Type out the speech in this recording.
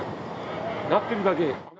鳴ってるだけ。